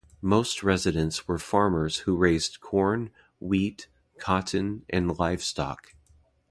Most residents were farmers who raised corn, wheat, cotton and livestock.